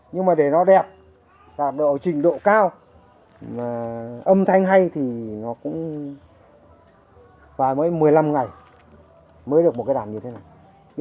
nhưng mà để nó đẹp đạt độ trình độ cao âm thanh hay thì nó cũng phải mấy mười lăm ngày mới được một cây đàn như thế này